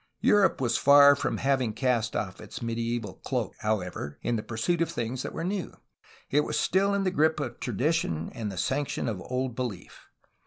Europe was far from hav ing cast off its medieval cloak, however, in the pursuit of things that were new. It was still in the grip of tradition and the sanction of old belief.